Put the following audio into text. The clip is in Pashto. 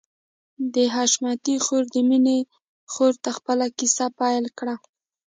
د حشمتي خور د مينې خور ته خپله کيسه پيل کړه.